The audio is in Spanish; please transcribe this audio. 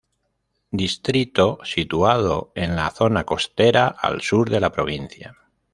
Distrito situado en la zona costera al sur de la provincia.